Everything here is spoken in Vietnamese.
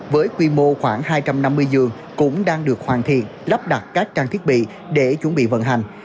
với quy mô khoảng hai trăm năm mươi giường cũng đang được hoàn thiện lắp đặt các trang thiết bị để chuẩn bị vận hành